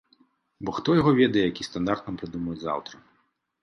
Бо хто яго ведае, які стандарт нам прыдумаюць заўтра.